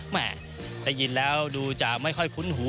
แม่ได้ยินแล้วดูจะไม่ค่อยคุ้นหู